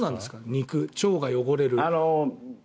肉、腸が汚れる。